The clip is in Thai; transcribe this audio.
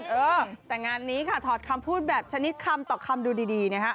เออแต่งานนี้ค่ะถอดคำพูดแบบชนิดคำต่อคำดูดีนะฮะ